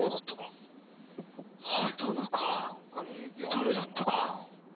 誰だったか